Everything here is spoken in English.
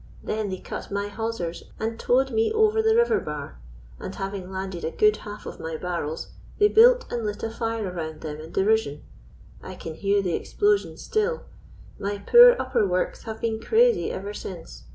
Then they cut my hawsers and towed me over the river bar; and, having landed a good half of my barrels, they built and lit a fire around them in derision. I can hear the explosion still; my poor upper works have been crazy ever since.